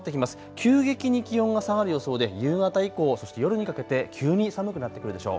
急激に気温が下がる予想で夕方以降、そして夜にかけて急に寒くなってくるでしょう。